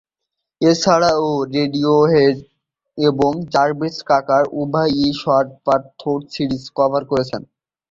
এছাড়াও রেডিওহেড এবং Jarvis Cocker উভয়ই "shot by both sides" cover করেছেন।